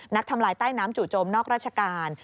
ทำลายใต้น้ำจู่โจมนอกราชการ